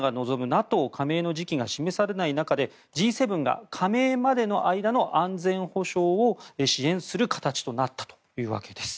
ＮＡＴＯ加盟の時期が示されない中でＧ７が加盟までの間の安全保障を支援する形となったわけです。